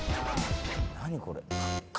何これ？